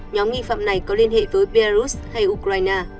nhóm nghi phạm này có liên hệ với belarus hay ukraine